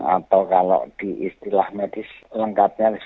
atau kalau di istilah medis lengkapnya